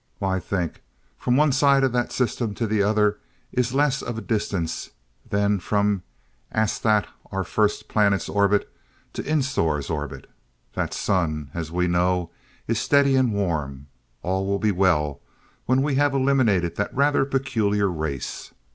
Why think from one side of that system to the other is less of a distance than from Ansthat, our first planet's orbit, to Insthor's orbit! That sun, as we know, is steady and warm. All will be well, when we have eliminated that rather peculiar race.